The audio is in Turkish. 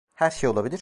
Her şey olabilir.